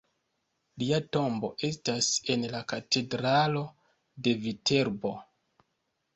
Lia tombo estas en la katedralo de Viterbo.